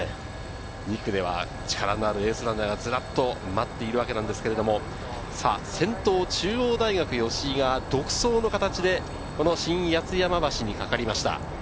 ２区では力のあるエースランナーがずらっと待っているわけですけど、先頭中央大学・吉居が独走の形でこの新八ツ山橋にかかりました。